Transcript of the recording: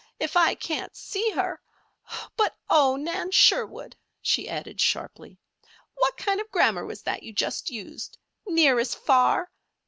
"If I can't see her. But oh, Nan Sherwood!" she added sharply. "What kind of grammar was that you just used 'near as far'?